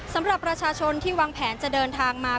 สำหรับประชาชนที่วางแผนจะเดินทางมา